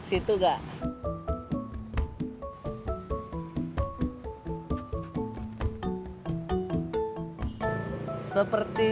masih ada yang mau